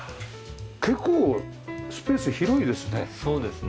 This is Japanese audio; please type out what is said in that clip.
結構スペース広いですね。